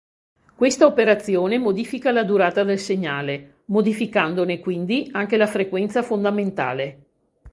Questa operazione modifica la durata del segnale, modificandone quindi anche la frequenza fondamentale.